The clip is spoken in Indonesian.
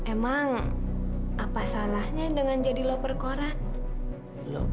emang apa salahnya dengan jadi loper cora